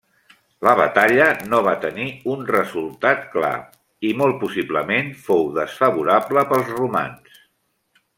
La batalla no va tenir un resultat clar i molt possiblement fou desfavorable pels romans.